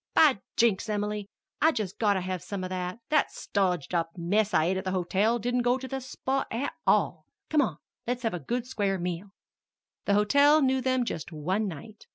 "By Jinks, Em'ly, I've just got to have some of that. That stodged up mess I ate at the hotel didn't go to the spot at all. Come on, let's have a good square meal." The hotel knew them just one night.